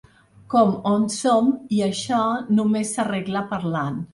Com on som i això només s’arregla parlant.